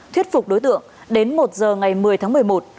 thuyết phục đối tượng đến một giờ ngày một mươi tháng một mươi một